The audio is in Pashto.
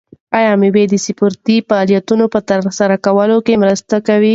آیا مېوې د سپورتي فعالیتونو په ترسره کولو کې مرسته کوي؟